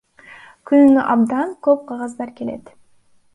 Күнүнө абдан көп кагаздар келет.